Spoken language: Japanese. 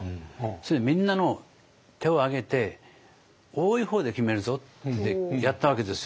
それでみんなの手を挙げて多い方で決めるぞってやったわけですよ